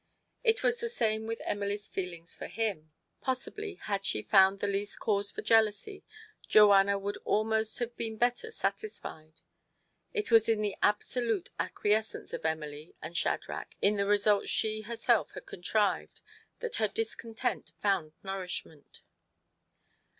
It was the same with Emily's feelings for him. 120 TO PLEASE HIS WIFE. Possibly, had she found the least cause for jealousy, Joanna would almost have been better satisfied. It was in the absolute acquiescence of Emily and Shadrach in the results she her self had contrived that her discontent found nourishment.